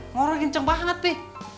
ngorok kenceng banget pi